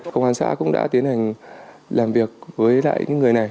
công an xã cũng đã tiến hành làm việc với lại những người này